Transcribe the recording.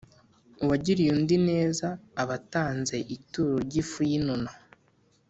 uwagiriye undi neza aba atanze ituro ry’ifu y’inono,